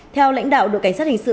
theo lãnh đạo đội cảnh sát hình sự